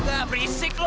enggak berisik lo